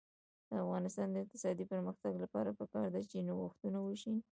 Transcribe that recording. د افغانستان د اقتصادي پرمختګ لپاره پکار ده چې نوښتونه وشي.